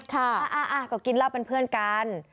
ค่ะค่ะก็กินลับเป็นเพื่อนกัน